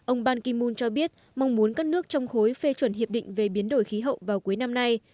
ông ban kim mun cho biết mong muốn các nước trong khối phê chuẩn hiệp định về biến đổi khí hậu vào cuối năm nay